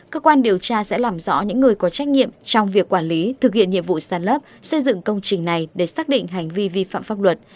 cơ quan điều tra sẽ làm rõ những người có trách nhiệm trong việc quản lý thực hiện nhiệm vụ sàn lấp xây dựng công trình này để xác định hành vi vi phạm pháp luật